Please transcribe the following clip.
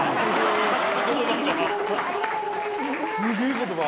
すげぇ言葉。